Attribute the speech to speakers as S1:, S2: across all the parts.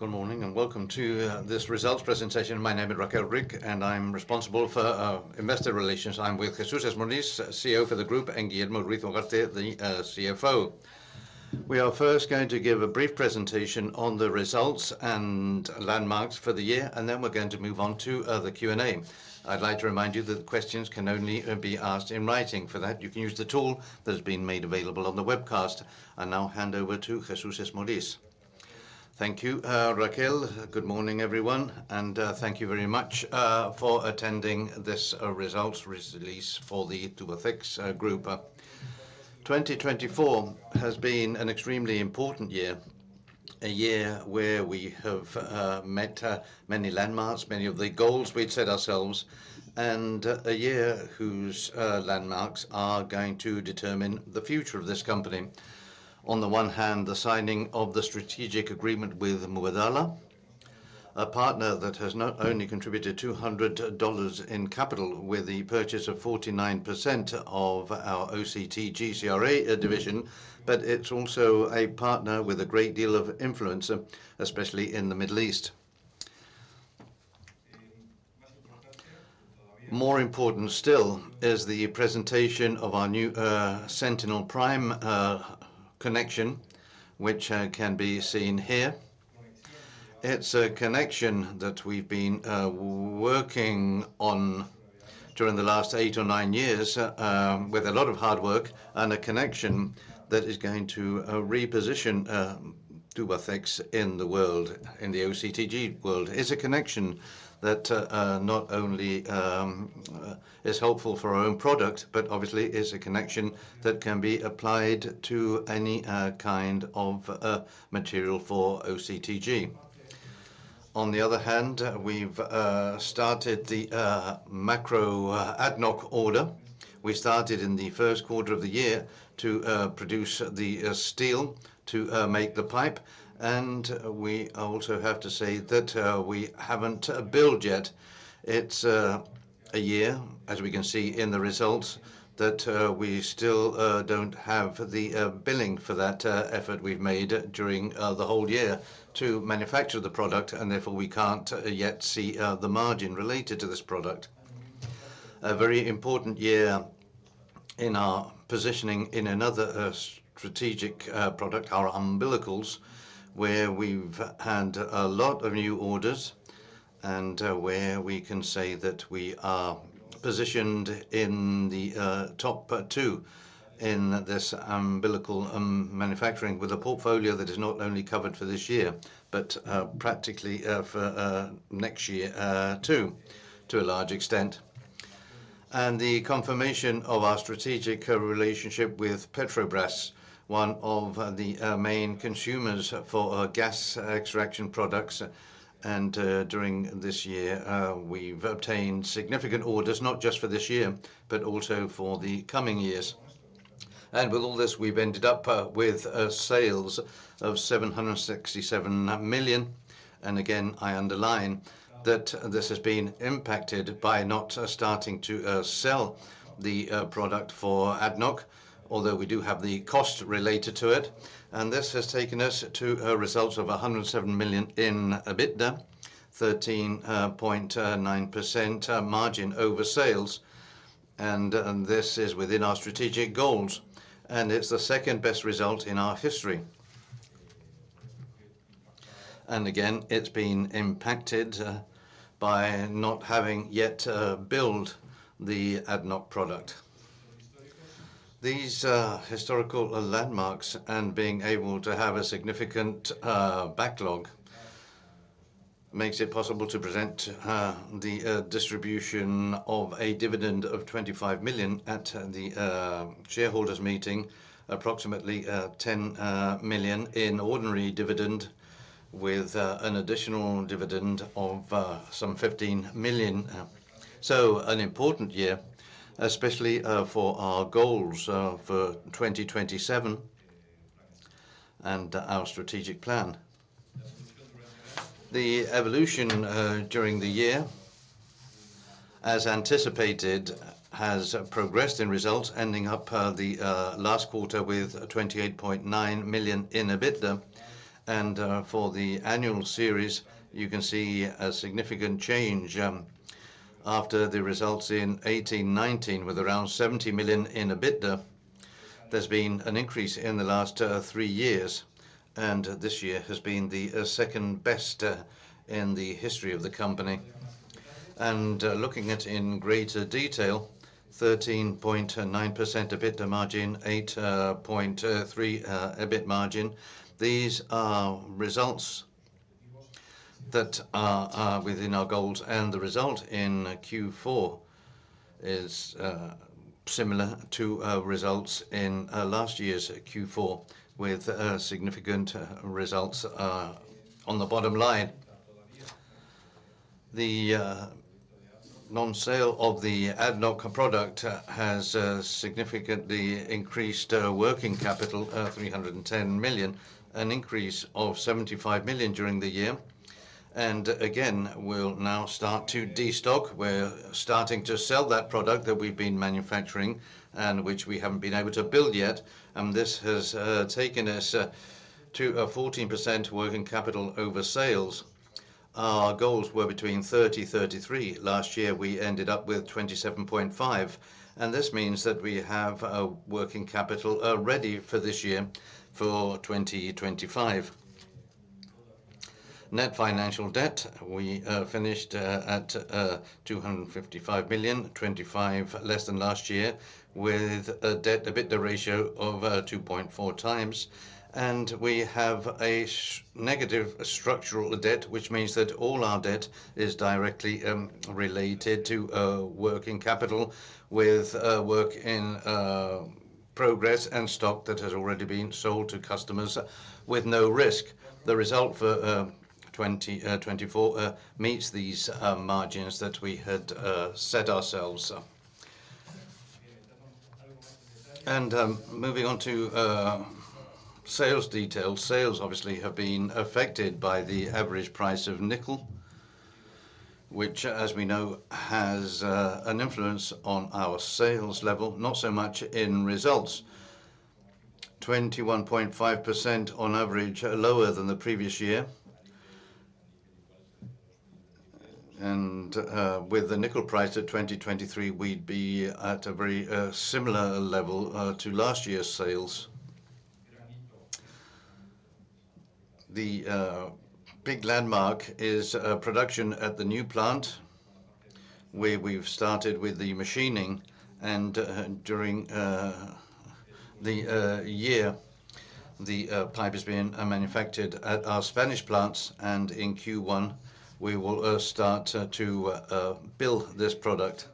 S1: Good morning and welcome to this results presentation. My name is Raquel Rick, and I'm responsible for Investor Relations. I'm with Jesús Esmorís, CEO for the group, and Guillermo Ruiz-Longarte, the CFO. We are first going to give a brief presentation on the results and landmarks for the year, and then we're going to move on to the Q&A. I'd like to remind you that questions can only be asked in writing. For that, you can use the tool that has been made available on the webcast. I now hand over to Jesús Esmorís.
S2: Thank you, Raquel. Good morning, everyone, and thank you very much for attending this results release for the Tubacex Group. 2024 has been an extremely important year, a year where we have met many landmarks, many of the goals we'd set ourselves, and a year whose landmarks are going to determine the future of this company. On the one hand, the signing of the strategic agreement with Mubadala, a partner that has not only contributed $200 million in capital with the purchase of 49% of our OCTG CRA division, but it's also a partner with a great deal of influence, especially in the Middle East. More important still is the presentation of our new Sentinel Prime connection, which can be seen here. It's a connection that we've been working on during the last eight or nine years with a lot of hard work and a connection that is going to reposition Tubacex in the world, in the OCTG world. It's a connection that not only is helpful for our own product, but obviously is a connection that can be applied to any kind of material for OCTG. On the other hand, we've started the macro ADNOC order. We started in the first quarter of the year to produce the steel to make the pipe, and we also have to say that we haven't billed yet. It's a year, as we can see in the results, that we still don't have the billing for that effort we've made during the whole year to manufacture the product, and therefore we can't yet see the margin related to this product. A very important year in our positioning in another strategic product, our umbilicals, where we've had a lot of new orders and where we can say that we are positioned in the top two in this umbilical manufacturing with a portfolio that is not only covered for this year, but practically for next year too, to a large extent. The confirmation of our strategic relationship with Petrobras, one of the main consumers for gas extraction products. During this year, we've obtained significant orders, not just for this year, but also for the coming years. With all this, we've ended up with sales of 767 million. I underline that this has been impacted by not starting to sell the product for ADNOC, although we do have the cost related to it. This has taken us to a result of 107 million in EBITDA, 13.9% margin over sales, and this is within our strategic goals. It is the second best result in our history. It has been impacted by not having yet billed the ADNOC product. These historical landmarks and being able to have a significant backlog make it possible to present the distribution of a dividend of 25 million at the shareholders' meeting, approximately 10 million in ordinary dividend, with an additional dividend of some 15 million. It is an important year, especially for our goals for 2027 and our strategic plan. The evolution during the year, as anticipated, has progressed in results, ending up the last quarter with 28.9 million in EBITDA. For the annual series, you can see a significant change after the results in 2018, 2019, with around 70 million in EBITDA. There's been an increase in the last three years, and this year has been the second best in the history of the company. Looking at it in greater detail, 13.9% EBITDA margin, 8.3% EBIT margin, these are results that are within our goals, and the result in Q4 is similar to results in last year's Q4, with significant results on the bottom line. The non-sale of the ADNOC product has significantly increased working capital, 310 million, an increase of 75 million during the year. We will now start to destock. We're starting to sell that product that we've been manufacturing and which we haven't been able to build yet. This has taken us to 14% working capital over sales. Our goals were between 30%-33%. Last year, we ended up with 27.5%, and this means that we have working capital ready for this year for 2025. Net financial debt, we finished at 255 million, 25 million less than last year, with a debt to EBITDA ratio of 2.4 times. We have a negative structural debt, which means that all our debt is directly related to working capital, with work in progress and stock that has already been sold to customers with no risk. The result for 2024 meets these margins that we had set ourselves. Moving on to sales details, sales obviously have been affected by the average price of nickel, which, as we know, has an influence on our sales level, not so much in results. 21.5% on average, lower than the previous year. With the nickel price of 2023, we would be at a very similar level to last year's sales. The big landmark is production at the new plant, where we've started with the machining, and during the year, the pipe has been manufactured at our Spanish plants, and in Q1, we will start to build this product.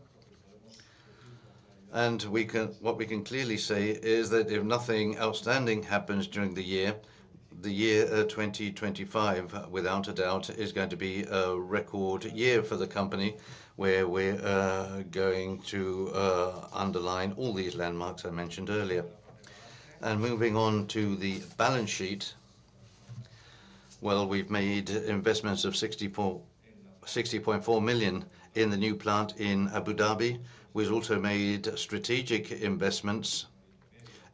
S2: What we can clearly say is that if nothing outstanding happens during the year, the year 2025, without a doubt, is going to be a record year for the company, where we're going to underline all these landmarks I mentioned earlier. Moving on to the balance sheet, we've made investments of 60.4 million in the new plant in Abu Dhabi. We've also made strategic investments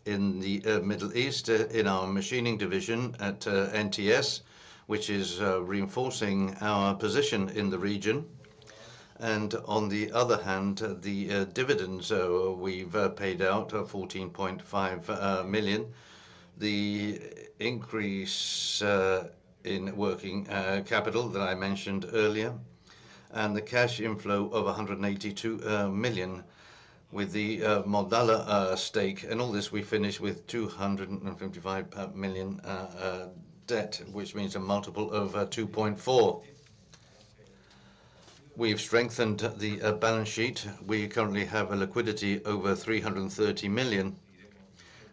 S2: in the Middle East in our machining division at NTS, which is reinforcing our position in the region. On the other hand, the dividends we've paid out, 14.5 million, the increase in working capital that I mentioned earlier, and the cash inflow of $192 million with the Mubadala stake. All this, we finished with 255 million debt, which means a multiple of 2.4. We've strengthened the balance sheet. We currently have a liquidity over 330 million,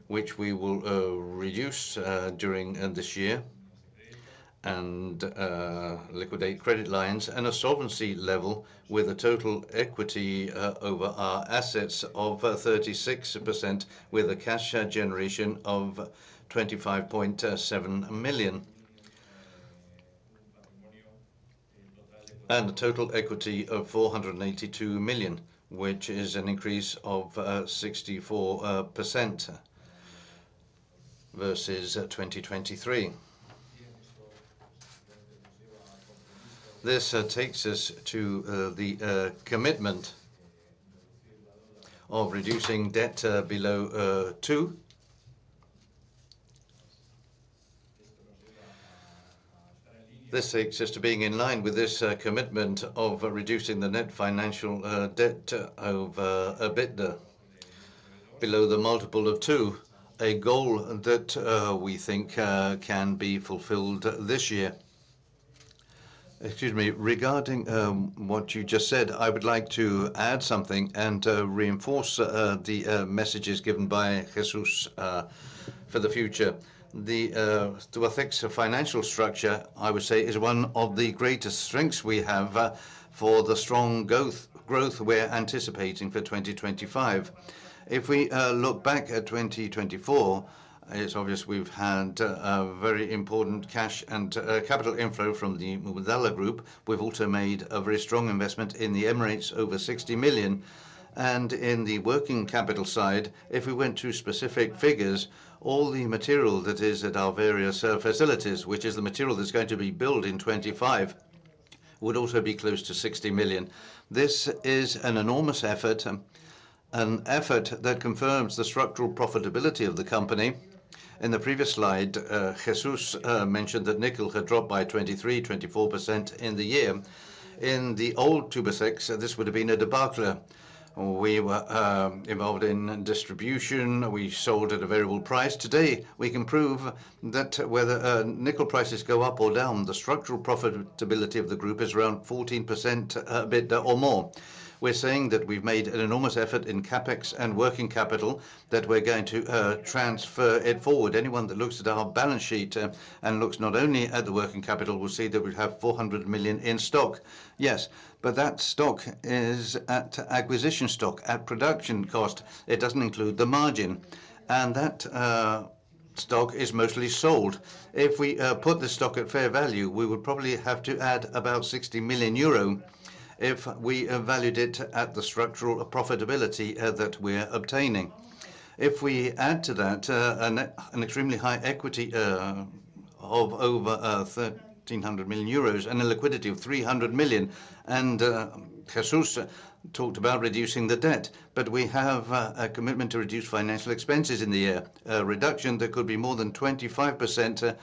S2: which we will reduce during this year and liquidate credit lines and a solvency level with a total equity over our assets of 36%, with a cash generation of EUR 25.7 million and a total equity of 492 million, which is an increase of 64% versus 2023. This takes us to the commitment of reducing debt below two. This takes us to being in line with this commitment of reducing the net financial debt of EBITDA below the multiple of two, a goal that we think can be fulfilled this year.
S3: Excuse me. Regarding what you just said, I would like to add something and reinforce the messages given by Jesús for the future. The Tubacex financial structure, I would say, is one of the greatest strengths we have for the strong growth we're anticipating for 2025. If we look back at 2024, it's obvious we've had very important cash and capital inflow from the Mubadala group. We've also made a very strong investment in the Emirates, over 60 million. In the working capital side, if we went to specific figures, all the material that is at our various facilities, which is the material that's going to be built in 2025, would also be close to 60 million. This is an enormous effort, an effort that confirms the structural profitability of the company. In the previous slide, Jesús mentioned that nickel had dropped by 23%-24% in the year. In the old Tubacex, this would have been a debacle. We were involved in distribution. We sold at a variable price. Today, we can prove that whether nickel prices go up or down, the structural profitability of the group is around 14% EBITDA or more. We're saying that we've made an enormous effort in CapEx and working capital that we're going to transfer it forward. Anyone that looks at our balance sheet and looks not only at the working capital will see that we have 400 million in stock. Yes, but that stock is at acquisition stock, at production cost. It doesn't include the margin. And that stock is mostly sold. If we put the stock at fair value, we would probably have to add about 60 million euro if we valued it at the structural profitability that we're obtaining. If we add to that an extremely high equity of over 1,300 million euros and a liquidity of 300 million, and Jesús talked about reducing the debt, but we have a commitment to reduce financial expenses in the year, a reduction that could be more than 25%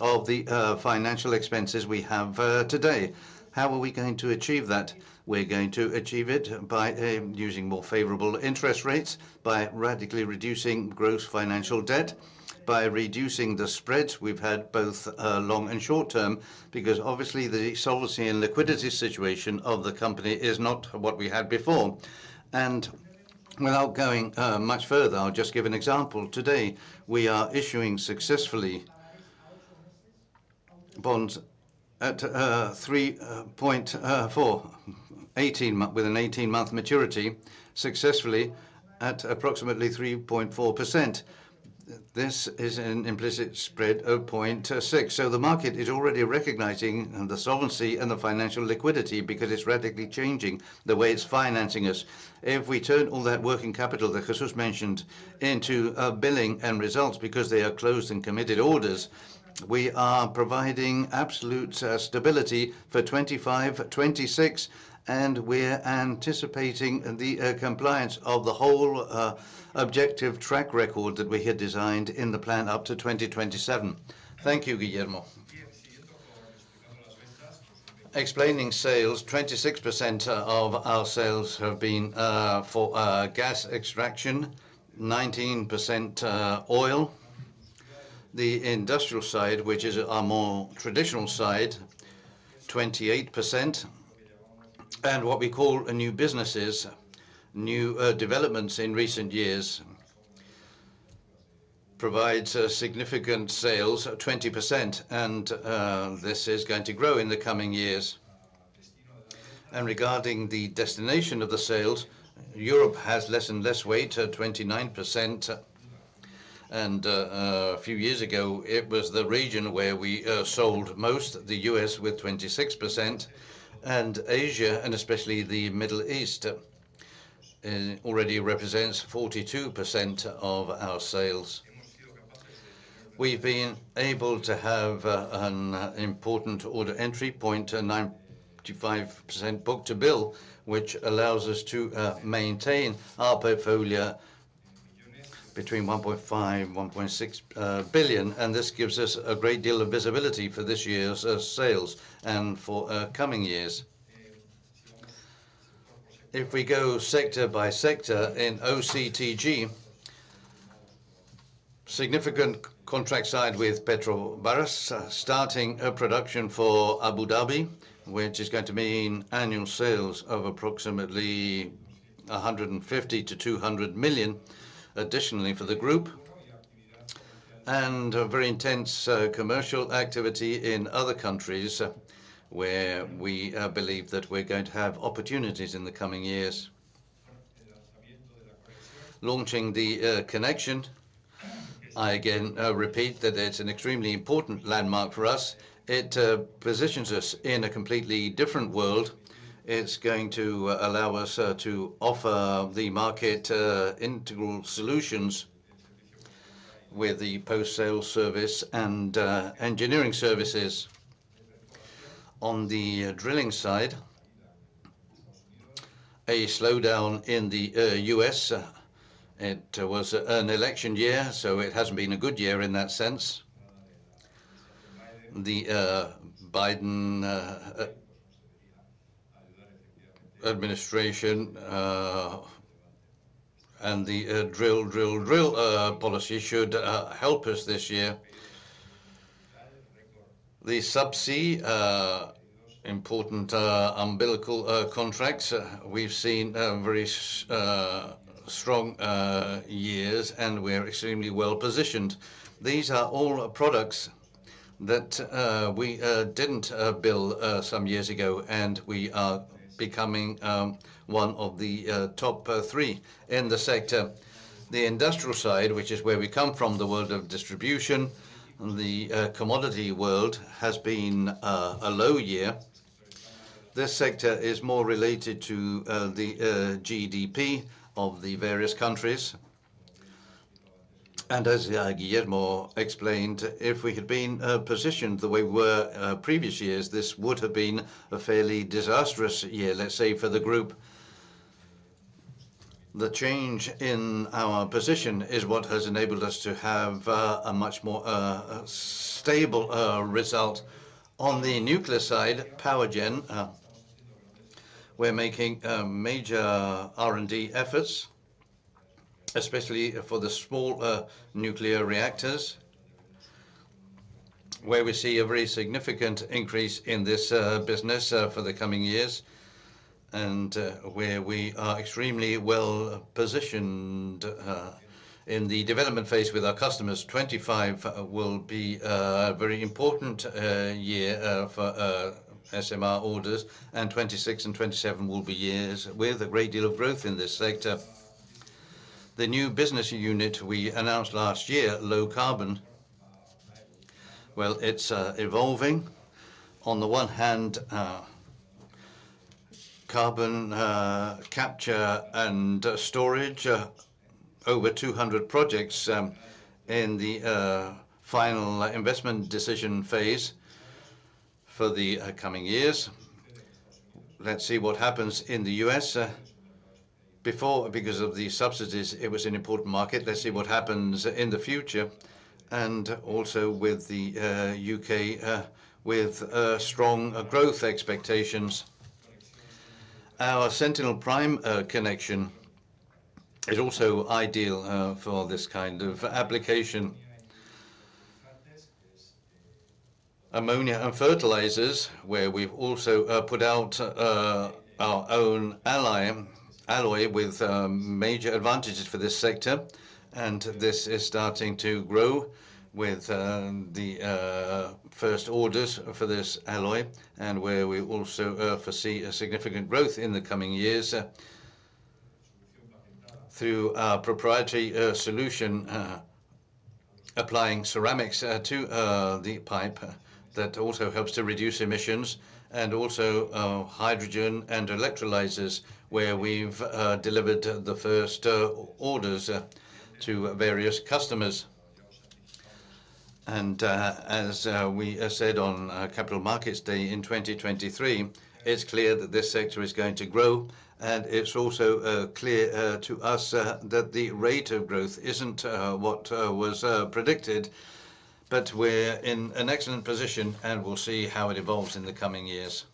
S3: of the financial expenses we have today. How are we going to achieve that? We're going to achieve it by using more favorable interest rates, by radically reducing gross financial debt, by reducing the spreads we've had both long and short term, because obviously the solvency and liquidity situation of the company is not what we had before. Without going much further, I'll just give an example. Today, we are issuing successfully bonds at 3.4, with an 18-month maturity, successfully at approximately 3.4%. This is an implicit spread of 0.6. The market is already recognizing the solvency and the financial liquidity because it's radically changing the way it's financing us. If we turn all that working capital that Jesús mentioned into billing and results, because they are closed and committed orders, we are providing absolute stability for 2025, 2026, and we're anticipating the compliance of the whole objective track record that we had designed in the plan up to 2027.
S2: Thank you, Guillermo. Explaining sales, 26% of our sales have been for gas extraction, 19% oil. The industrial side, which is our more traditional side, 28%. What we call new businesses, new developments in recent years provides significant sales, 20%, and this is going to grow in the coming years. Regarding the destination of the sales, Europe has less and less weight, 29%. A few years ago, it was the region where we sold most, the U.S., with 26%. Asia, and especially the Middle East, already represents 42% of our sales. We've been able to have an important order entry, 0.95% book-to-bill, which allows us to maintain our portfolio between 1.5 billion-1.6 billion. This gives us a great deal of visibility for this year's sales and for coming years. If we go sector by sector in OCTG, significant contract signed with Petrobras, starting production for Abu Dhabi, which is going to mean annual sales of approximately $150 million-$200 million, additionally for the group. Very intense commercial activity in other countries where we believe that we're going to have opportunities in the coming years. Launching the connection, I again repeat that it's an extremely important landmark for us. It positions us in a completely different world. It's going to allow us to offer the market integral solutions with the post-sale service and engineering services. On the drilling side, a slowdown in the U.S. It was an election year, so it hasn't been a good year in that sense. The Biden administration and the drill, drill, drill policy should help us this year. The subsea important umbilical contracts, we've seen very strong years, and we're extremely well positioned. These are all products that we didn't build some years ago, and we are becoming one of the top three in the sector. The industrial side, which is where we come from, the world of distribution, the commodity world has been a low year. This sector is more related to the GDP of the various countries. As Guillermo explained, if we had been positioned the way we were previous years, this would have been a fairly disastrous year, let's say, for the group. The change in our position is what has enabled us to have a much more stable result. On the nuclear side, power gen, we're making major R&D efforts, especially for the small nuclear reactors, where we see a very significant increase in this business for the coming years, and where we are extremely well positioned in the development phase with our customers. 2025 will be a very important year for SMR orders, and 2026 and 2027 will be years with a great deal of growth in this sector. The new business unit we announced last year, low carbon, well, it's evolving. On the one hand, carbon capture and storage, over 200 projects in the final investment decision phase for the coming years. Let's see what happens in the U.S. Before, because of the subsidies, it was an important market. Let's see what happens in the future. Also with the U.K., with strong growth expectations. Our Sentinel Prime connection is also ideal for this kind of application. Ammonia and fertilizers, where we've also put out our own alloy with major advantages for this sector, and this is starting to grow with the first orders for this alloy, and where we also foresee a significant growth in the coming years through our proprietary solution, applying ceramics to the pipe that also helps to reduce emissions, and also hydrogen and electrolyzers, where we've delivered the first orders to various customers. As we said on Capital Markets Day in 2023, it's clear that this sector is going to grow, and it's also clear to us that the rate of growth isn't what was predicted, but we're in an excellent position, and we'll see how it evolves in the coming years.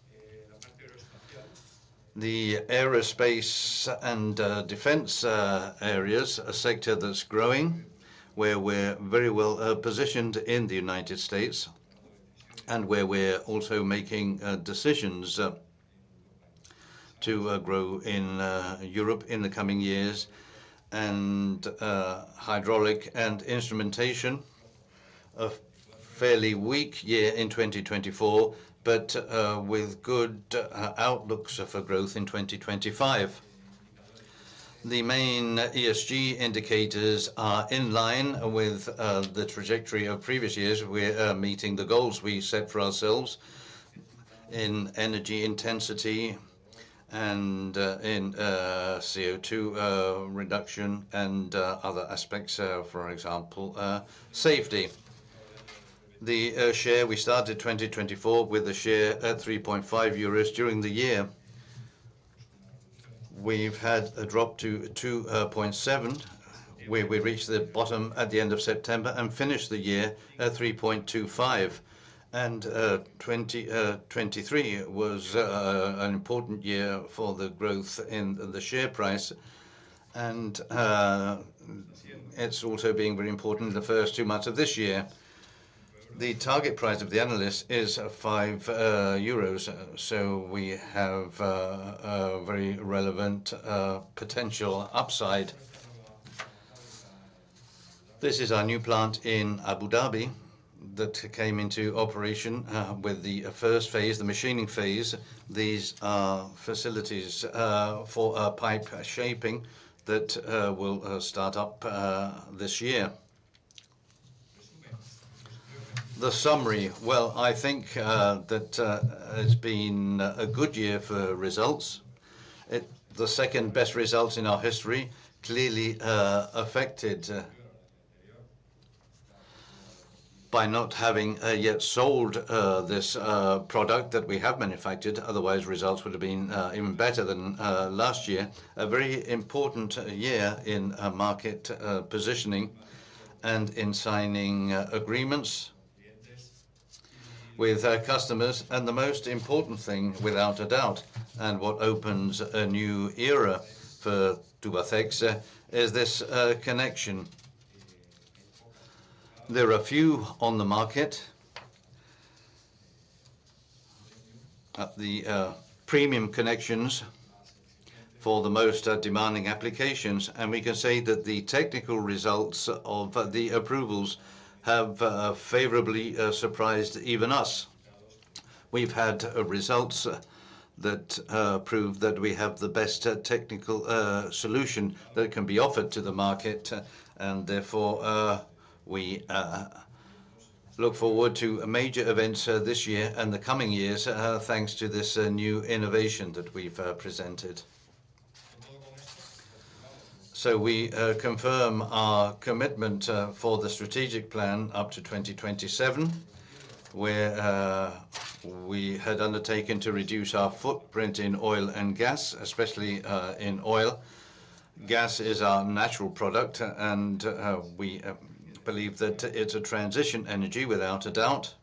S2: The aerospace and defense areas, a sector that's growing, where we're very well positioned in the United States, and where we're also making decisions to grow in Europe in the coming years, and hydraulic and instrumentation, a fairly weak year in 2024, but with good outlooks for growth in 2025. The main ESG indicators are in line with the trajectory of previous years. We're meeting the goals we set for ourselves in energy intensity and in CO2 reduction and other aspects, for example, safety. We started 2024 with a share at 3.5 euros during the year. We've had a drop to 2.7, where we reached the bottom at the end of September and finished the year at 3.25. 2023 was an important year for the growth in the share price, and it's also being very important in the first two months of this year. The target price of the analyst is 5 euros, so we have very relevant potential upside. This is our new plant in Abu Dhabi that came into operation with the first phase, the machining phase. These are facilities for pipe shaping that will start up this year. The summary, I think that it's been a good year for results. The second best results in our history clearly affected by not having yet sold this product that we have manufactured. Otherwise, results would have been even better than last year. A very important year in market positioning and in signing agreements with customers. The most important thing, without a doubt, and what opens a new era for Tubacex, is this connection. There are few on the market, the premium connections for the most demanding applications. We can say that the technical results of the approvals have favorably surprised even us. We've had results that prove that we have the best technical solution that can be offered to the market, and therefore we look forward to major events this year and the coming years, thanks to this new innovation that we've presented. We confirm our commitment for the strategic plan up to 2027, where we had undertaken to reduce our footprint in oil and gas, especially in oil. Gas is our natural product, and we believe that it's a transition energy, without a doubt.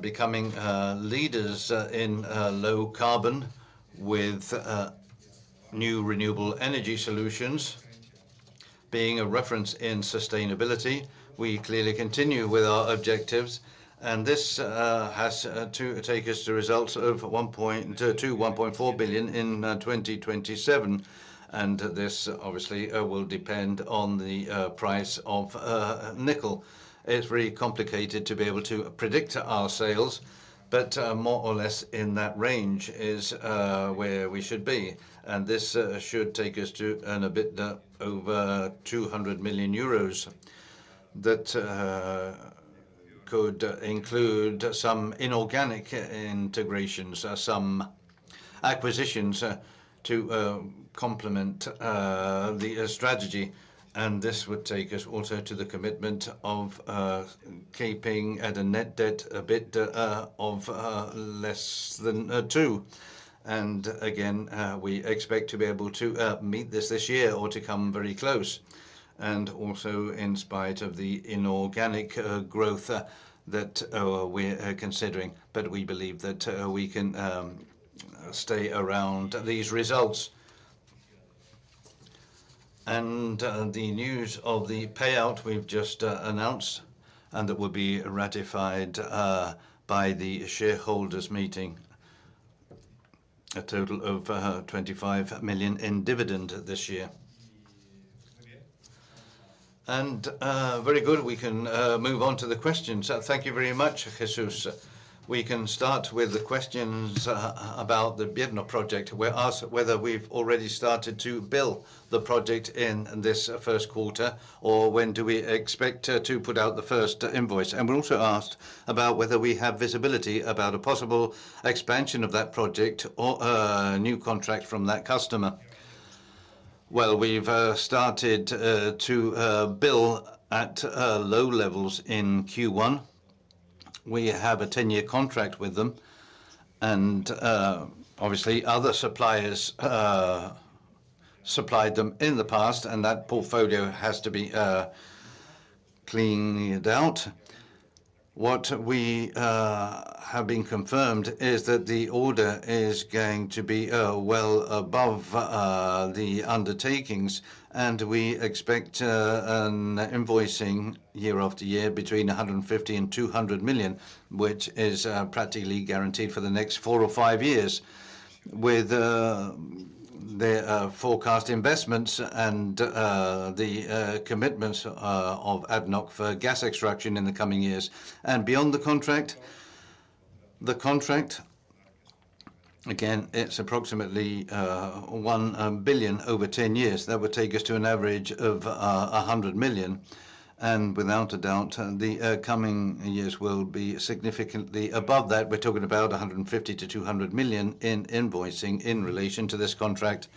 S2: Becoming leaders in low carbon with new renewable energy solutions, being a reference in sustainability. We clearly continue with our objectives, and this has to take us to results of 1.2 billion-1.4 billion in 2027. This obviously will depend on the price of nickel. It's very complicated to be able to predict our sales, but more or less in that range is where we should be. This should take us to earn a bit over 200 million euros that could include some inorganic integrations, some acquisitions to complement the strategy. This would take us also to the commitment of keeping at a net debt EBITDA of less than two. Again, we expect to be able to meet this this year or to come very close. Also, in spite of the inorganic growth that we're considering, we believe that we can stay around these results. The news of the payout we've just announced and that will be ratified by the shareholders meeting, a total of 25 million in dividend this year.
S1: Very good, we can move on to the questions. Thank you very much, Jesús. We can start with the questions about the Biedma project. We're asked whether we've already started to build the project in this first quarter, or when we expect to put out the first invoice. We're also asked about whether we have visibility about a possible expansion of that project or a new contract from that customer.
S2: We've started to build at low levels in Q1. We have a 10-year contract with them, and obviously other suppliers supplied them in the past, and that portfolio has to be cleaned out. What we have been confirmed is that the order is going to be well above the undertakings, and we expect an invoicing year after year between $150 million and $200 million, which is practically guaranteed for the next four or five years, with the forecast investments and the commitments of ADNOC for gas extraction in the coming years. Beyond the contract, the contract, again, it's approximately $1 billion over 10 years. That would take us to an average of $100 million. Without a doubt, the coming years will be significantly above that. We're talking about $150 million to $200 million in invoicing in relation to this contract.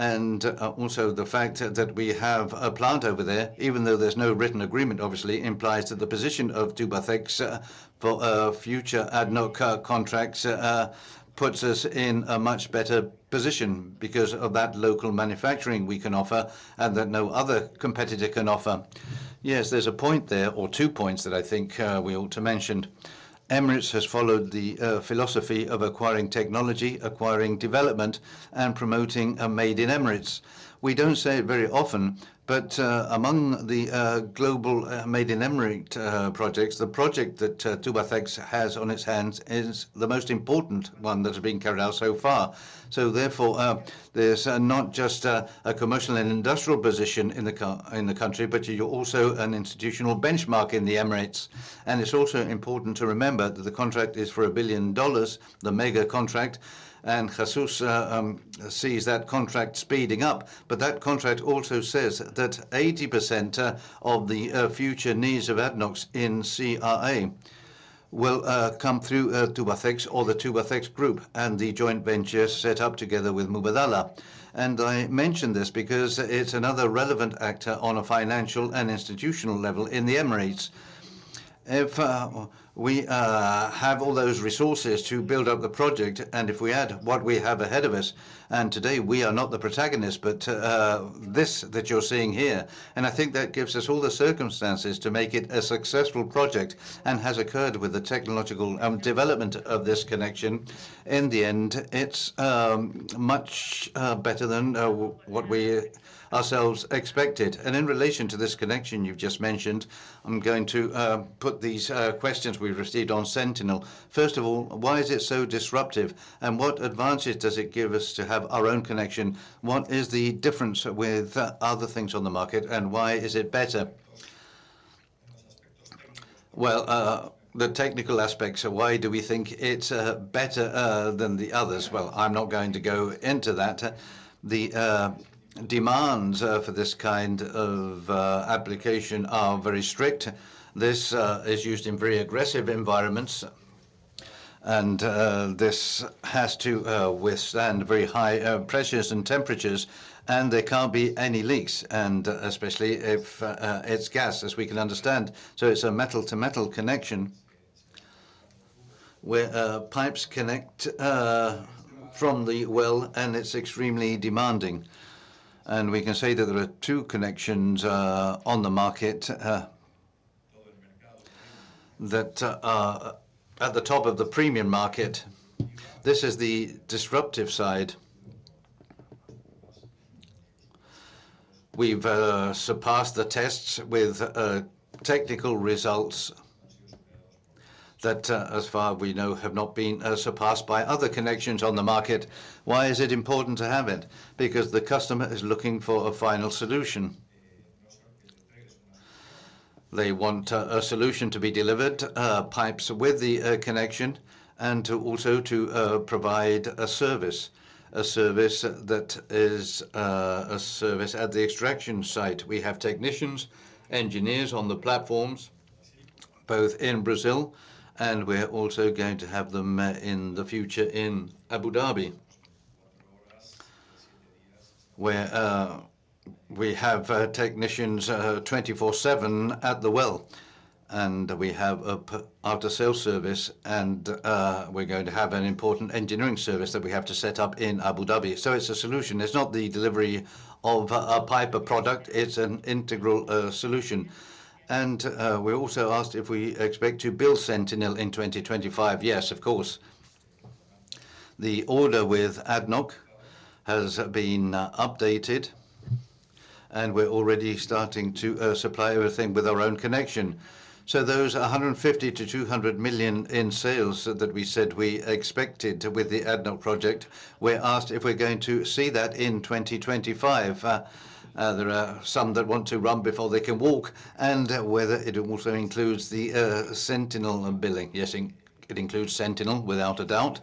S2: Also, the fact that we have a plant over there, even though there's no written agreement, obviously implies that the position of Tubacex for future ADNOC contracts puts us in a much better position because of that local manufacturing we can offer and that no other competitor can offer. Yes, there's a point there, or two points that I think we ought to mention. Emirates has followed the philosophy of acquiring technology, acquiring development, and promoting a made in Emirates. We don't say it very often, but among the global made in Emirates projects, the project that Tubacex has on its hands is the most important one that has been carried out so far. Therefore, there's not just a commercial and industrial position in the country, but you're also an institutional benchmark in the Emirates.
S3: It is also important to remember that the contract is for $1 billion, the mega contract. Jesús sees that contract speeding up, but that contract also says that 80% of the future needs of ADNOC in CRA will come through Tubacex or the Tubacex Group and the joint venture set up together with Mubadala. I mention this because it is another relevant actor on a financial and institutional level in the Emirates. If we have all those resources to build up the project, and if we add what we have ahead of us, and today we are not the protagonist, but this that you are seeing here, I think that gives us all the circumstances to make it a successful project and as has occurred with the technological development of this connection, in the end, it is much better than what we ourselves expected.
S1: In relation to this connection you've just mentioned, I'm going to put these questions we've received on Sentinel. First of all, why is it so disruptive? What advantage does it give us to have our own connection? What is the difference with other things on the market, and why is it better?
S3: The technical aspects, why do we think it's better than the others? I'm not going to go into that. The demands for this kind of application are very strict. This is used in very aggressive environments, and this has to withstand very high pressures and temperatures, and there can't be any leaks, especially if it's gas, as we can understand. It's a metal-to-metal connection where pipes connect from the well, and it's extremely demanding. We can say that there are two connections on the market that are at the top of the premium market. This is the disruptive side. We've surpassed the tests with technical results that, as far as we know, have not been surpassed by other connections on the market. Why is it important to have it? Because the customer is looking for a final solution. They want a solution to be delivered, pipes with the connection, and also to provide a service, a service that is a service at the extraction site. We have technicians, engineers on the platforms, both in Brazil, and we're also going to have them in the future in Abu Dhabi, where we have technicians 24/7 at the well, and we have after-sales service, and we're going to have an important engineering service that we have to set up in Abu Dhabi. It is a solution. It's not the delivery of a pipe product. It's an integral solution. We're also asked if we expect to build Sentinel in 2025. Yes, of course. The order with ADNOC has been updated, and we're already starting to supply everything with our own connection. Those $150 million-$200 million in sales that we said we expected with the ADNOC project, we're asked if we're going to see that in 2025. There are some that want to run before they can walk, and whether it also includes the Sentinel billing. Yes, it includes Sentinel, without a doubt.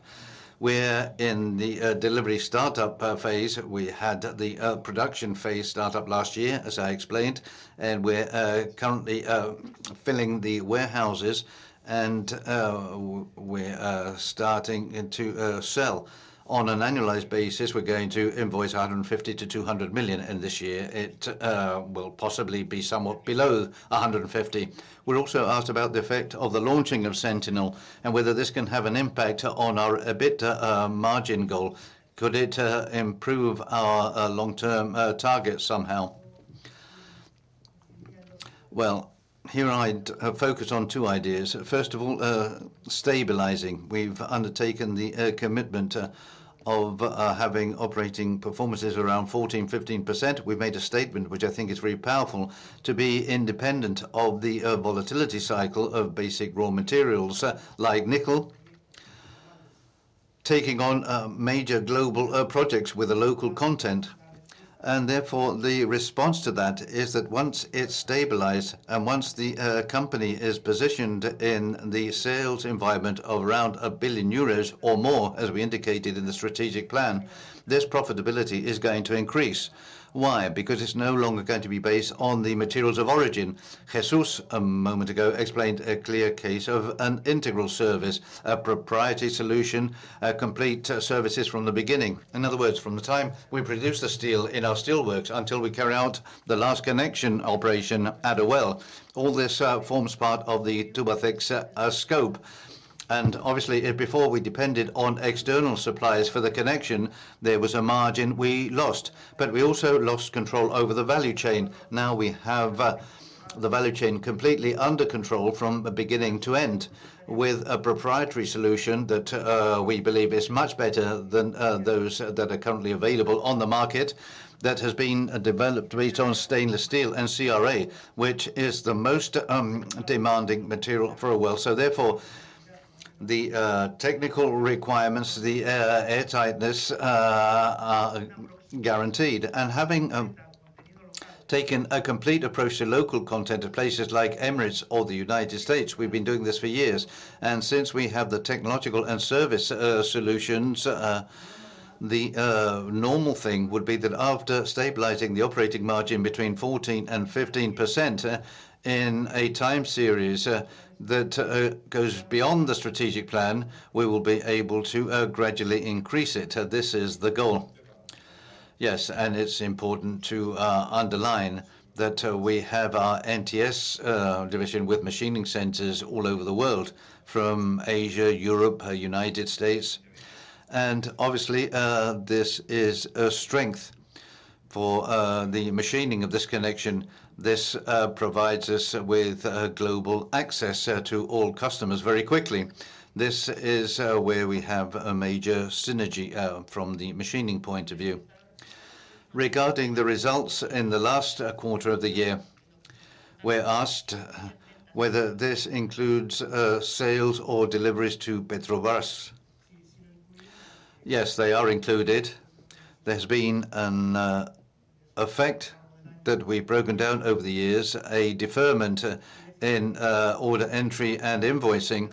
S3: We're in the delivery startup phase. We had the production phase startup last year, as I explained, and we're currently filling the warehouses, and we're starting to sell on an annualized basis. We're going to invoice $150 million-$200 million this year. It will possibly be somewhat below $150 million. We're also asked about the effect of the launching of Sentinel and whether this can have an impact on our EBITDA margin goal. Could it improve our long-term target somehow? Here I focus on two ideas. First of all, stabilizing. We've undertaken the commitment of having operating performances around 14%-15%. We've made a statement, which I think is very powerful, to be independent of the volatility cycle of basic raw materials like nickel, taking on major global projects with a local content. Therefore, the response to that is that once it's stabilized and once the company is positioned in the sales environment of around 1 billion euros or more, as we indicated in the strategic plan, this profitability is going to increase. Why? Because it's no longer going to be based on the materials of origin.
S1: Jesús, a moment ago, explained a clear case of an integral service, a proprietary solution, complete services from the beginning. In other words, from the time we produce the steel in our steelworks until we carry out the last connection operation at a well, all this forms part of the Tubacex scope. Obviously, before we depended on external suppliers for the connection, there was a margin we lost, but we also lost control over the value chain. Now we have the value chain completely under control from beginning to end with a proprietary solution that we believe is much better than those that are currently available on the market that has been developed based on stainless steel and CRA, which is the most demanding material for a well. Therefore, the technical requirements, the airtightness are guaranteed. Having taken a complete approach to local content of places like Emirates or the United States, we've been doing this for years. Since we have the technological and service solutions, the normal thing would be that after stabilizing the operating margin between 14%-15% in a time series that goes beyond the strategic plan, we will be able to gradually increase it. This is the goal. Yes, and it's important to underline that we have our NTS division with machining centers all over the world from Asia, Europe, United States. Obviously, this is a strength for the machining of this connection. This provides us with global access to all customers very quickly. This is where we have a major synergy from the machining point of view. Regarding the results in the last quarter of the year, we're asked whether this includes sales or deliveries to Petrobras. Yes, they are included. There's been an effect that we've broken down over the years, a deferment in order entry and invoicing.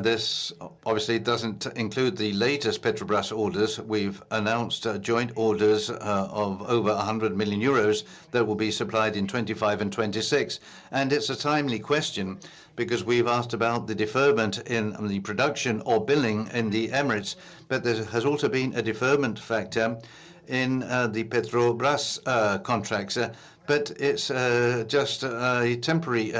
S1: This obviously doesn't include the latest Petrobras orders. We've announced joint orders of over 100 million euros that will be supplied in 2025 and 2026. It's a timely question because we've asked about the deferment in the production or billing in the Emirates, but there has also been a deferment factor in the Petrobras contracts. It's just a temporary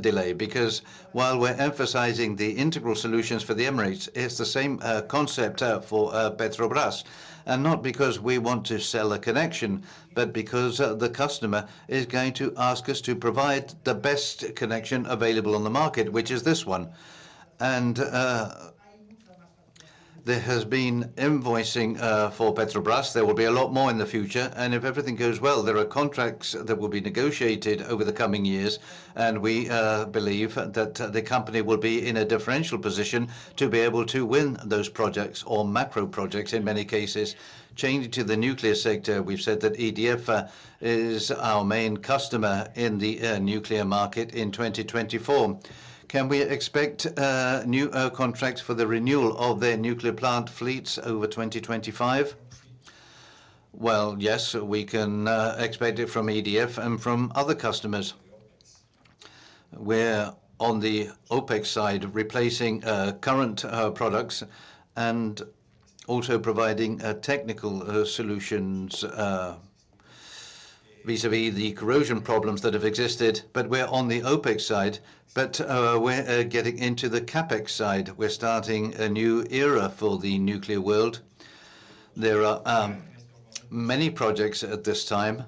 S1: delay because while we're emphasizing the integral solutions for the Emirates, it's the same concept for Petrobras.
S2: Not because we want to sell a connection, but because the customer is going to ask us to provide the best connection available on the market, which is this one. There has been invoicing for Petrobras. There will be a lot more in the future. If everything goes well, there are contracts that will be negotiated over the coming years, and we believe that the company will be in a differential position to be able to win those projects or macro projects in many cases. Changing to the nuclear sector, we've said that EDF is our main customer in the nuclear market in 2024. Can we expect new contracts for the renewal of their nuclear plant fleets over 2025? Yes, we can expect it from EDF and from other customers. We're on the OpEx side of replacing current products and also providing technical solutions vis-à-vis the corrosion problems that have existed. We're on the OpEx side, but we're getting into the CapEx side. We're starting a new era for the nuclear world. There are many projects at this time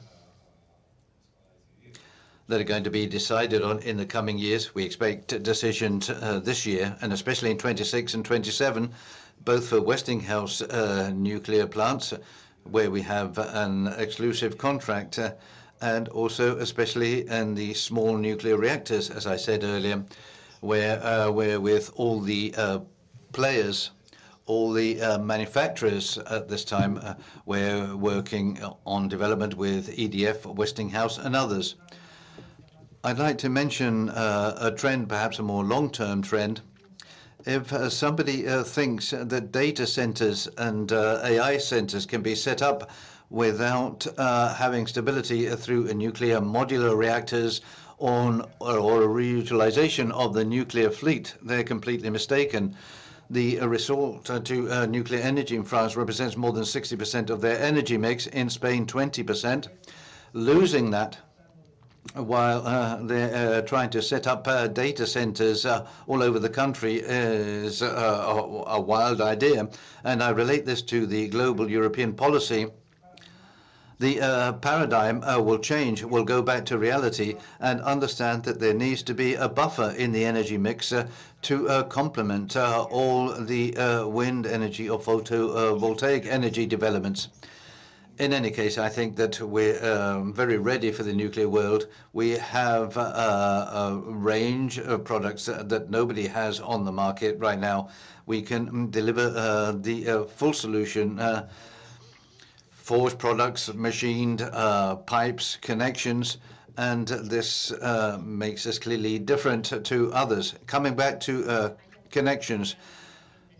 S2: that are going to be decided on in the coming years. We expect decisions this year, and especially in 2026 and 2027, both for Westinghouse nuclear plants, where we have an exclusive contract, and also especially in the small nuclear reactors, as I said earlier, where we're with all the players, all the manufacturers at this time. We're working on development with EDF, Westinghouse, and others. I'd like to mention a trend, perhaps a more long-term trend. If somebody thinks that data centers and AI centers can be set up without having stability through nuclear modular reactors or a reutilization of the nuclear fleet, they're completely mistaken. The resort to nuclear energy in France represents more than 60% of their energy mix, in Spain, 20%. Losing that while they're trying to set up data centers all over the country is a wild idea. I relate this to the global European policy. The paradigm will change. We'll go back to reality and understand that there needs to be a buffer in the energy mix to complement all the wind energy or photovoltaic energy developments. In any case, I think that we're very ready for the nuclear world. We have a range of products that nobody has on the market right now. We can deliver the full solution: forged products, machined pipes, connections, and this makes us clearly different to others. Coming back to connections,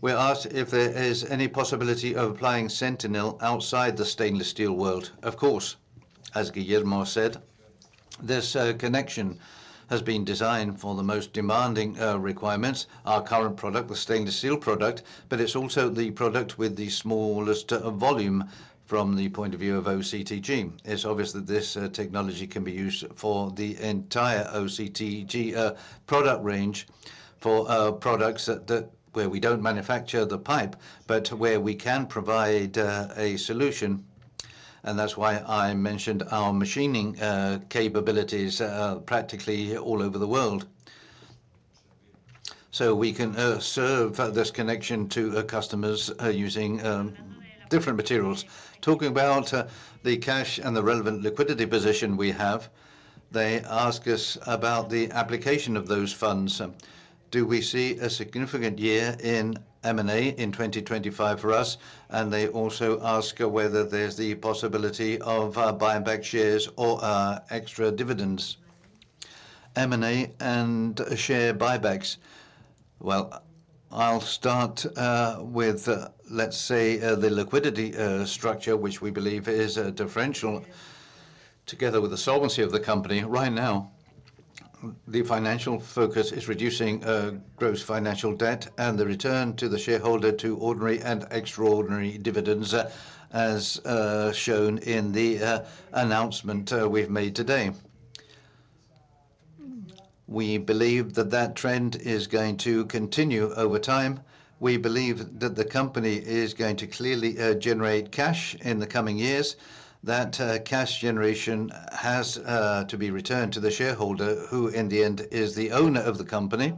S2: we're asked if there is any possibility of applying Sentinel outside the stainless steel world. Of course, as Guillermo said, this connection has been designed for the most demanding requirements, our current product, the stainless steel product, but it's also the product with the smallest volume from the point of view of OCTG. It's obvious that this technology can be used for the entire OCTG product range for products where we don't manufacture the pipe, but where we can provide a solution. That is why I mentioned our machining capabilities practically all over the world. We can serve this connection to customers using different materials. Talking about the cash and the relevant liquidity position we have, they ask us about the application of those funds.
S3: Do we see a significant year in M&A in 2025 for us? They also ask whether there's the possibility of buyback shares or extra dividends, M&A and share buybacks. I will start with, let's say, the liquidity structure, which we believe is a differential together with the solvency of the company. Right now, the financial focus is reducing gross financial debt and the return to the shareholder to ordinary and extraordinary dividends, as shown in the announcement we have made today. We believe that that trend is going to continue over time. We believe that the company is going to clearly generate cash in the coming years, that cash generation has to be returned to the shareholder, who in the end is the owner of the company.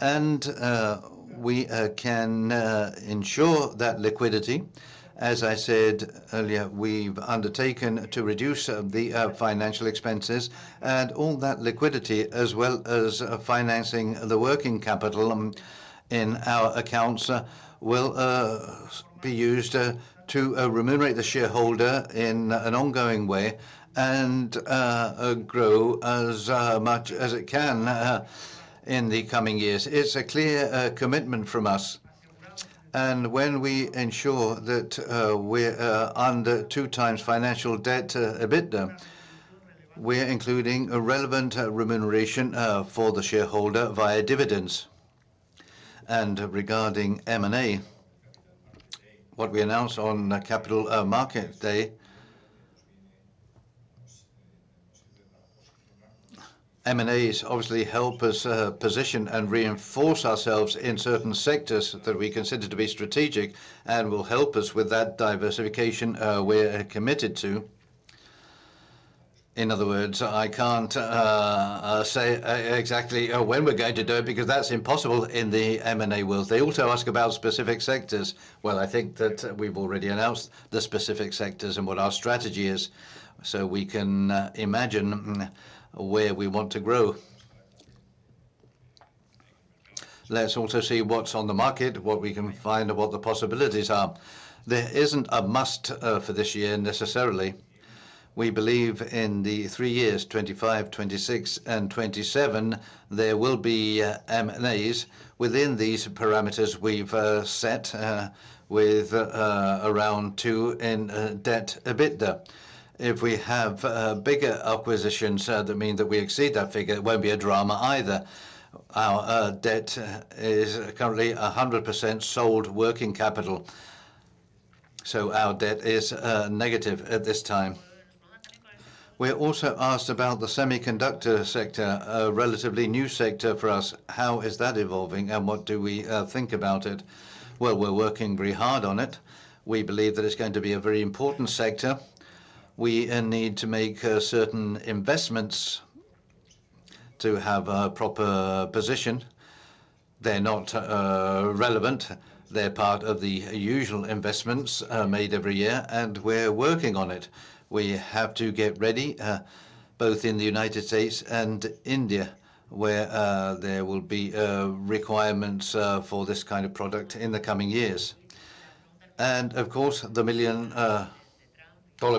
S3: We can ensure that liquidity, as I said earlier, we have undertaken to reduce the financial expenses. All that liquidity, as well as financing the working capital in our accounts, will be used to remunerate the shareholder in an ongoing way and grow as much as it can in the coming years. It is a clear commitment from us. When we ensure that we are under 2x financial debt EBITDA, we are including a relevant remuneration for the shareholder via dividends. Regarding M&A, what we announced on Capital Market Day, M&As obviously help us position and reinforce ourselves in certain sectors that we consider to be strategic and will help us with that diversification we are committed to. In other words, I cannot say exactly when we are going to do it because that is impossible in the M&A world. They also ask about specific sectors. I think that we've already announced the specific sectors and what our strategy is, so we can imagine where we want to grow. Let's also see what's on the market, what we can find, and what the possibilities are. There isn't a must for this year necessarily. We believe in the three years, 2025, 2026, and 2027, there will be M&As within these parameters we've set with around two in debt EBITDA. If we have bigger acquisitions that mean that we exceed that figure, it won't be a drama either. Our debt is currently 100% sold working capital, so our debt is negative at this time. We're also asked about the semiconductor sector, a relatively new sector for us. How is that evolving, and what do we think about it? We're working very hard on it. We believe that it's going to be a very important sector. We need to make certain investments to have a proper position. They're not relevant. They're part of the usual investments made every year, and we're working on it. We have to get ready, both in the United States and India, where there will be requirements for this kind of product in the coming years. Of course, the million-dollar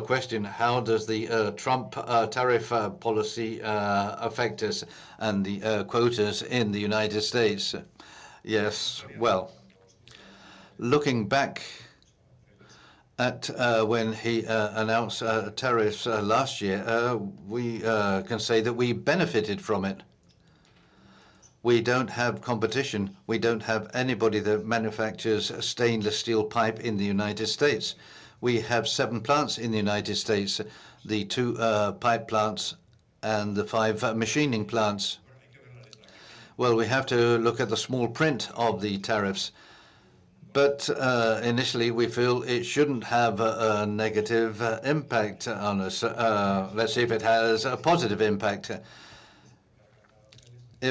S3: question: how does the Trump tariff policy affect us and the quotas in the United States? Yes. Looking back at when he announced tariffs last year, we can say that we benefited from it. We don't have competition. We don't have anybody that manufactures stainless steel pipe in the United States. We have seven plants in the United States, the two pipe plants and the five machining plants. We have to look at the small print of the tariffs, but initially, we feel it shouldn't have a negative impact on us. Let's see if it has a positive impact.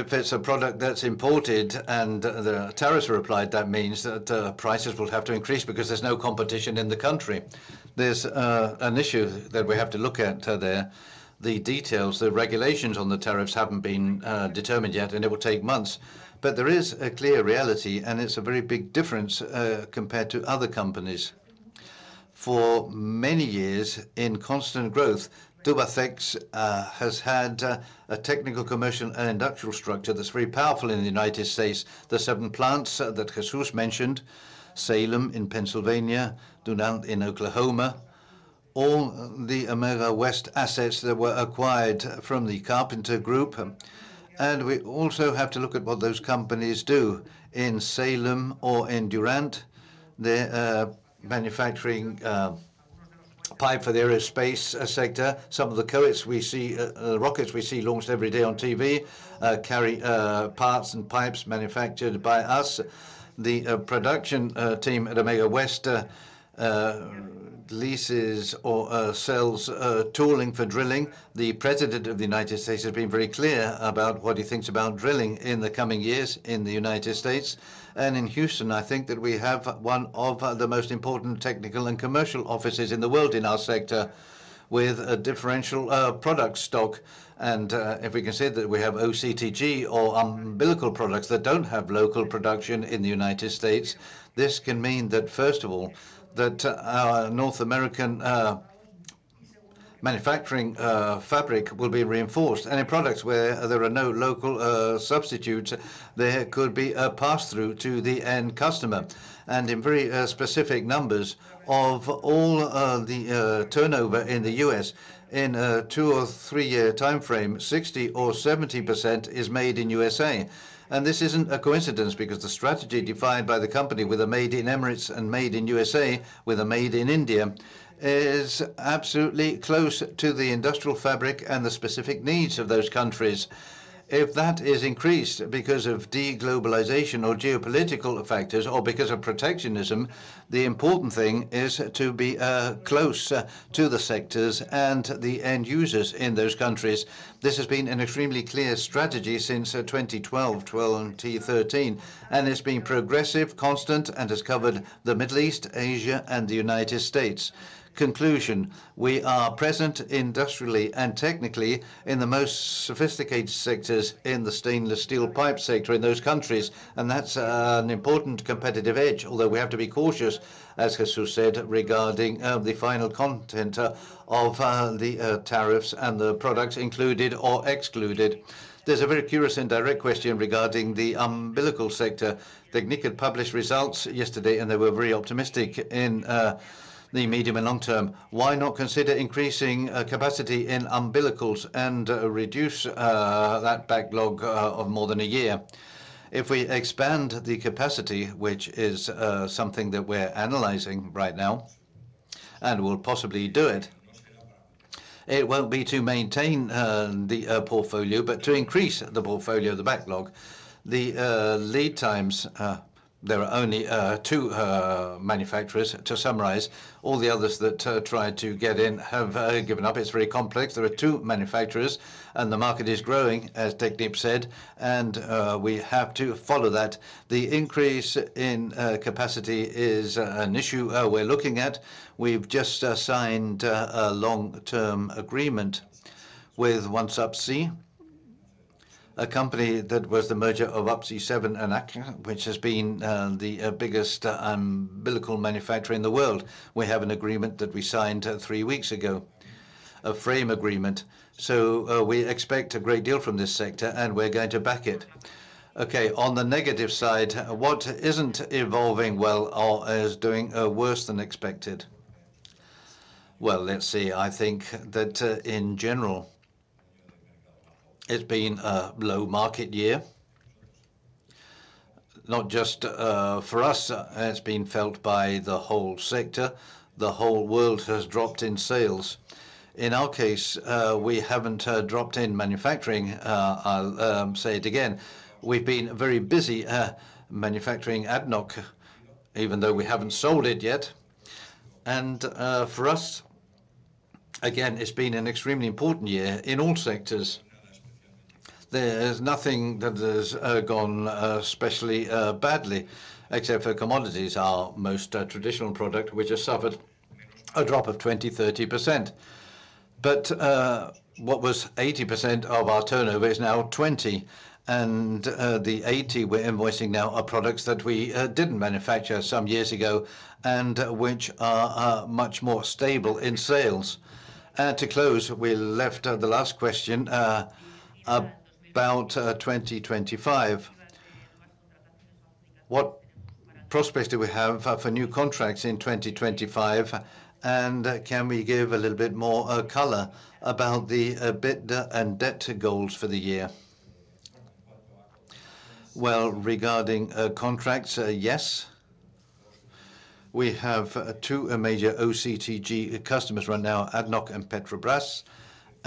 S3: If it's a product that's imported and the tariffs are applied, that means that prices will have to increase because there's no competition in the country. There's an issue that we have to look at there. The details, the regulations on the tariffs haven't been determined yet, and it will take months. There is a clear reality, and it's a very big difference compared to other companies. For many years, in constant growth, Tubacex has had a technical, commercial, and industrial structure that's very powerful in the United States. The seven plants that Jesús mentioned, Salem in Pennsylvania, Durant in Oklahoma, all the Ameca West assets that were acquired from the Carpenter Technology Group. We also have to look at what those companies do in Salem or in Durant. They're manufacturing pipe for the aerospace sector. Some of the rockets we see launched every day on TV carry parts and pipes manufactured by us. The production team at Ameca West leases or sells tooling for drilling. The President of the United States has been very clear about what he thinks about drilling in the coming years in the United States. In Houston, I think that we have one of the most important technical and commercial offices in the world in our sector with a differential product stock. If we can say that we have OCTG or umbilical products that don't have local production in the United States, this can mean that, first of all, our North American manufacturing fabric will be reinforced. In products where there are no local substitutes, there could be a pass-through to the end customer. In very specific numbers of all the turnover in the U.S., in a two- or three-year timeframe, 60% or 70% is made in the U.S. This is not a coincidence because the strategy defined by the company with a made in Emirates and made in the U.S. with a made in India is absolutely close to the industrial fabric and the specific needs of those countries. If that is increased because of deglobalization or geopolitical factors or because of protectionism, the important thing is to be close to the sectors and the end users in those countries. This has been an extremely clear strategy since 2012, 2013, and it has been progressive, constant, and has covered the Middle East, Asia, and the United States. Conclusion: we are present industrially and technically in the most sophisticated sectors in the stainless steel pipe sector in those countries, and that's an important competitive edge, although we have to be cautious, as Jesús said, regarding the final content of the tariffs and the products included or excluded. There's a very curious and direct question regarding the umbilical sector. The NIC had published results yesterday, and they were very optimistic in the medium and long term. Why not consider increasing capacity in umbilicals and reduce that backlog of more than a year? If we expand the capacity, which is something that we're analyzing right now and will possibly do it, it won't be to maintain the portfolio but to increase the portfolio, the backlog. The lead times, there are only two manufacturers. To summarize, all the others that tried to get in have given up. It's very complex.
S2: There are two manufacturers, and the market is growing, as TechDeep said, and we have to follow that. The increase in capacity is an issue we're looking at. We've just signed a long-term agreement with OneSubsea, a company that was the merger of Subsea 7 and ACCA, which has been the biggest umbilical manufacturer in the world. We have an agreement that we signed three weeks ago, a frame agreement. We expect a great deal from this sector, and we're going to back it. Okay. On the negative side, what isn't evolving well or is doing worse than expected? Let's see. I think that in general, it's been a low market year. Not just for us, it's been felt by the whole sector. The whole world has dropped in sales. In our case, we haven't dropped in manufacturing. I'll say it again. We've been very busy manufacturing ADNOC, even though we haven't sold it yet. For us, again, it's been an extremely important year in all sectors. There is nothing that has gone especially badly, except for commodities, our most traditional product, which has suffered a drop of 20%-30%. What was 80% of our turnover is now 20%, and the 80% we're invoicing now are products that we didn't manufacture some years ago and which are much more stable in sales. To close, we left the last question about 2025. What prospects do we have for new contracts in 2025? Can we give a little bit more color about the EBITDA and debt goals for the year? Regarding contracts, yes. We have two major OCTG customers right now, ADNOC and Petrobras,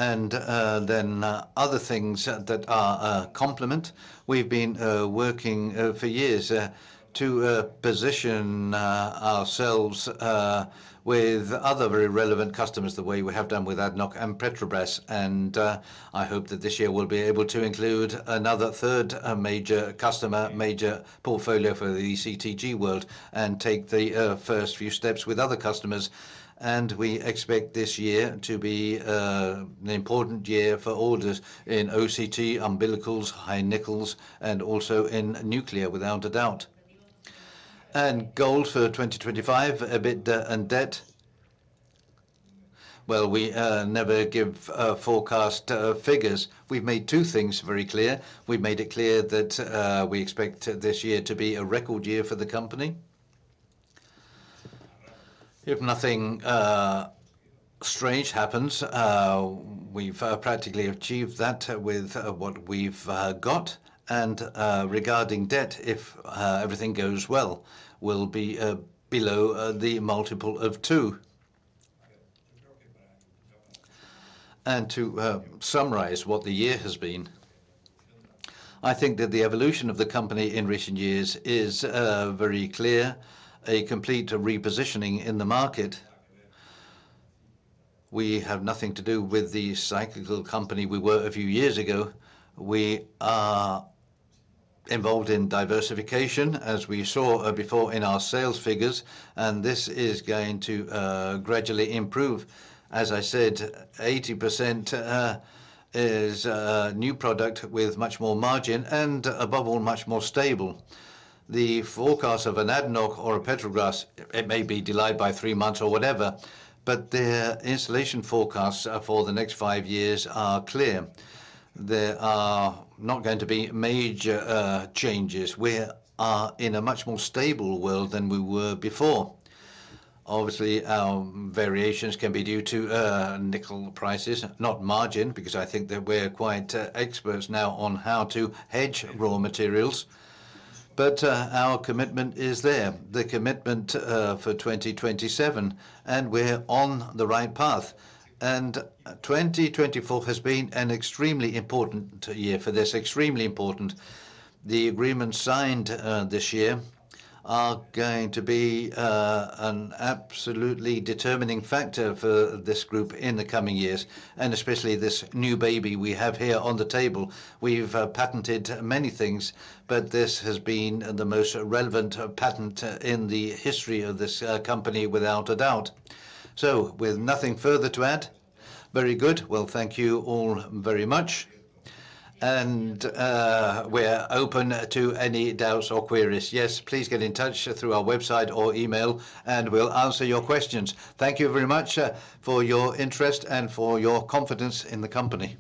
S2: and then other things that are a complement. have been working for years to position ourselves with other very relevant customers the way we have done with ADNOC and Petrobras. I hope that this year we will be able to include another third major customer, major portfolio for the OCTG world, and take the first few steps with other customers. We expect this year to be an important year for orders in OCTG, umbilicals, high nickels, and also in nuclear, without a doubt. Goals for 2025, EBITDA and debt? We never give forecast figures. We have made two things very clear. We have made it clear that we expect this year to be a record year for the company. If nothing strange happens, we have practically achieved that with what we have got. Regarding debt, if everything goes well, we will be below the multiple of two. To summarize what the year has been, I think that the evolution of the company in recent years is very clear: a complete repositioning in the market. We have nothing to do with the cyclical company we were a few years ago. We are involved in diversification, as we saw before in our sales figures, and this is going to gradually improve. As I said, 80% is new product with much more margin and, above all, much more stable. The forecast of an ADNOC or a Petrobras, it may be delayed by three months or whatever, but the installation forecasts for the next five years are clear. There are not going to be major changes. We are in a much more stable world than we were before. Obviously, our variations can be due to nickel prices, not margin, because I think that we're quite experts now on how to hedge raw materials. Our commitment is there, the commitment for 2027, and we're on the right path. 2024 has been an extremely important year for this, extremely important. The agreements signed this year are going to be an absolutely determining factor for this group in the coming years, especially this new baby we have here on the table. We've patented many things, but this has been the most relevant patent in the history of this company, without a doubt. With nothing further to add, very good.
S1: Thank you all very much. We're open to any doubts or queries. Yes, please get in touch through our website or email, and we'll answer your questions. Thank you very much for your interest and for your confidence in the company.